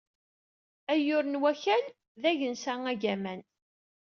Ayyur n Wakal d agensa agaman.